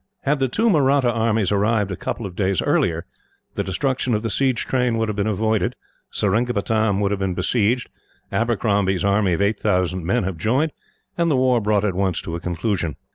Had the two Mahratta armies arrived a couple of days earlier, the destruction of the siege train would have been avoided, Seringapatam would have been besieged, Abercrombie's army of eight thousand men have joined, and the war brought at once to a conclusion.